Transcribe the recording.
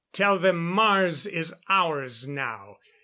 Tell them Mars is ours now!